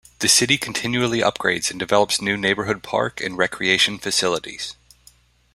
The city continually upgrades and develops new neighborhood park and recreation facilities.